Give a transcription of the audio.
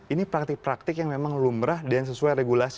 ini praktik praktik yang memang lumrah dan sesuai regulasi